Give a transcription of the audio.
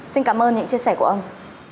xin cảm ơn những chia sẻ của ông